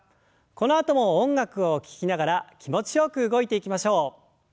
このあとも音楽を聞きながら気持ちよく動いていきましょう。